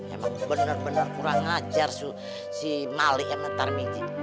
emang benar benar kurang ngajar si mali sama tarbiji